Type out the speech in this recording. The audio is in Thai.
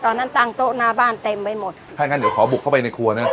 ตั้งโต๊ะหน้าบ้านเต็มไปหมดถ้างั้นเดี๋ยวขอบุกเข้าไปในครัวนะ